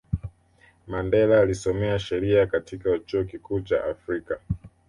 mandela alisomea sheria katika chuo kikuu cha afrika